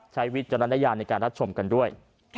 วิจารณญาณในการรับชมกันด้วย